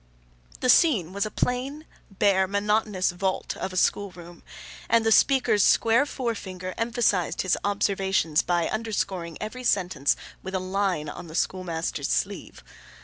The scene was a plain, bare, monotonous vault of a school room, and the speaker's square forefinger emphasized his observations by underscoring every sentence with a line on the schoolmaster's sleeve.